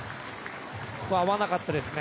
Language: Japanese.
ここは合わなかったですね。